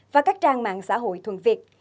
và các trang mạng xã hội thuận việt